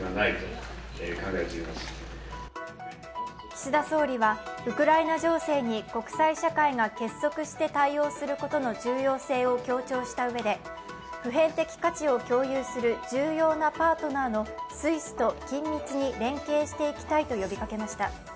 岸田総理は、ウクライナ情勢に国際社会が結束して対応することの重要性を強調したうえで普遍的価値を共有する重要なパートナーのスイスと緊密に連携していきたいと呼びかけました。